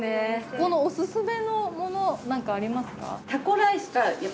ここのオススメのもの何かありますか？